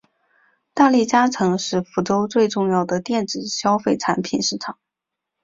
大利嘉城是福州最主要的电子消费产品市场。